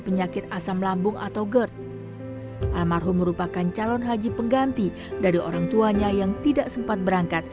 penyakit asam lambung atau gerd almarhum merupakan calon haji pengganti dari orangtuanya yang tidak